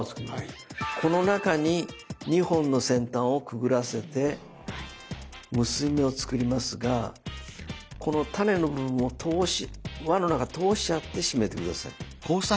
この中に２本の先端をくぐらせて結び目を作りますがこのタネの部分も通し輪の中通しちゃって締めて下さい。